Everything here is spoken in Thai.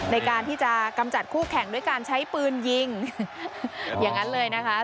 ในการที่จะกำจัดคู่แข่งด้วยการใช้ปืนยิงอย่างนั้นเลยนะคะ